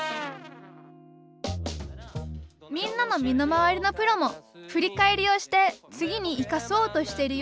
みんなの身の回りのプロも振り返りをして次に生かそうとしてるよ。